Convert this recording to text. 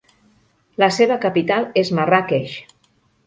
La seva capital és Marràqueix.